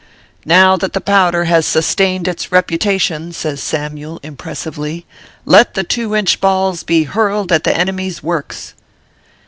" Now, that the powder has sustained its reputa tion," says Samyule, impressively, " let the two inch balls be hurled at the enemy s works."